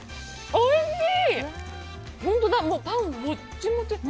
おいしい。